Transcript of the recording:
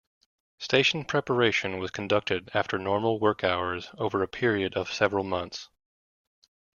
Station preparation was conducted after normal work hours over a period of several months.